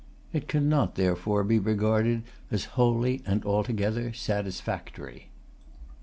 It cannot therefore be regarded as wholly and altogether satisfactory.